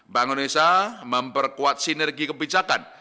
bangun desa memperkuat sinergi kebijakan